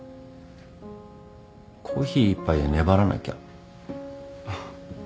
コーヒー１杯で粘らなきゃ。